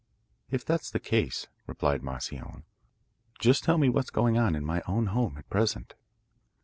'If that's the case,' replied Moscione, 'just tell me what's going on in my own home at present.